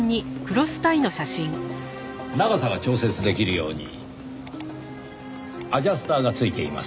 長さが調節できるようにアジャスターが付いています。